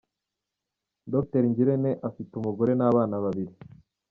Dr Ngirente afite umugore n’abana babiri.